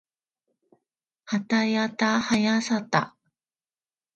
はたやたはやさた